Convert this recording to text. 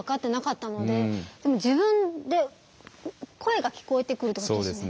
自分で声が聞こえてくるってことですね。